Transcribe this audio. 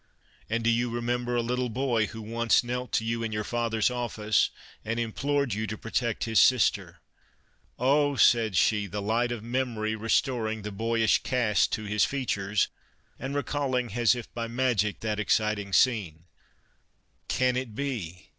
" And do you remember a little boy who once knelt to you in your father's office and implored you to protect his sister ?"" Oh !" said she, the light of memory restoring the boyish cast to his features, and recall ing as if by magic that exciting scene, " Can it be